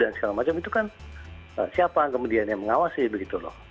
dan segala macam itu kan siapa yang kemudian mengawasi begitu loh